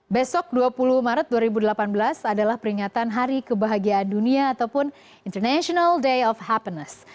besok dua puluh maret dua ribu delapan belas adalah peringatan hari kebahagiaan dunia ataupun international day of happiness